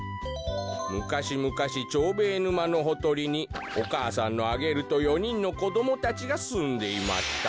「むかしむかしチョーベーぬまのほとりにおかあさんのアゲルと４にんのこどもたちがすんでいました」。